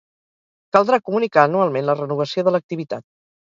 Caldrà comunicar anualment la renovació de l'activitat.